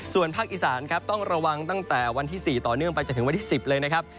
ส่วนภาคอีสานครับต้องระวังตั้งแต่วันที่๔ต่อเนื่องไปจนถึงวันที่๑๐เลยนะครับ